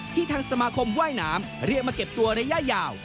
ทางสมาคมว่ายน้ำเรียกมาเก็บตัวระยะยาว